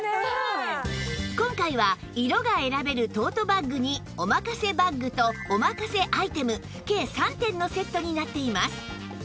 今回は色が選べるトートバッグにおまかせバッグとおまかせアイテム計３点のセットになっています